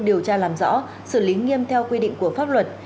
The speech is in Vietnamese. điều tra làm rõ xử lý nghiêm theo quy định của pháp luật